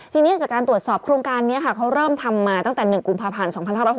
ทีนี้จากการตรวจสอบโครงการนี้ค่ะเขาเริ่มทำมาตั้งแต่๑กุมภาพันธ์๒๕๖๖